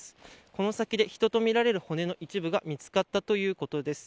この先で人とみられる骨の一部が見つかったということです。